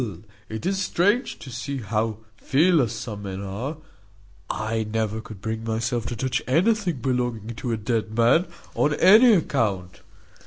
it is strange to see how fearless some men are: I never could bring myself to touch anything belonging to a dead man, on any account.